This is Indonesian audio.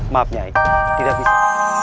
maaf nyai tidak bisa